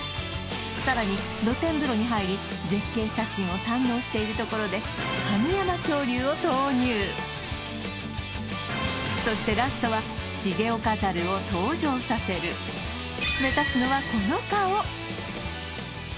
さらに露天風呂に入り絶景写真を堪能しているところで神山恐竜を投入そしてラストは重岡ザルを登場させるアアー！